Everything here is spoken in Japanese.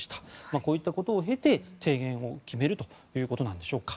こういったことを経て提言を決めるということなんでしょうか。